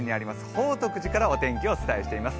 宝徳寺からお天気をお伝えしております。